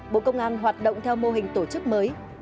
bộ công an hoạt động theo mô hình tổ chức mới